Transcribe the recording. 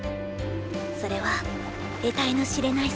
それは得体の知れない